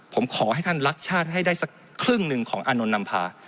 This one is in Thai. ผมขอให้ท่านรักชาติให้ได้สักครึ่งหนึ่งของอานนท์นำพา